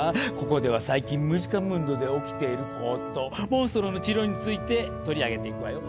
ここでは最近ムジカムンドで起きていることモンストロの治療について取り上げていくわよ。